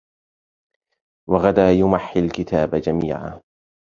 وغدا يمحّي الكتاب جميعا